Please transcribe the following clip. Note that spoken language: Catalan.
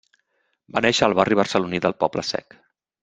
Va néixer al barri barceloní del Poble Sec.